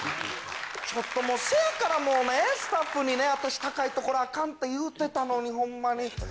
ちょっともう、そやからもうスタッフに私、高い所あかんって言うてたのに、ほんまに。